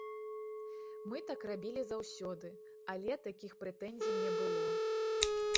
Мы так рабілі заўсёды, але такіх прэтэнзій не было.